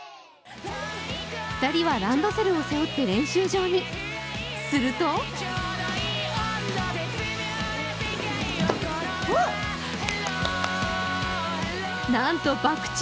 ２人はランドセルを背負って練習場にするとなんとバック宙。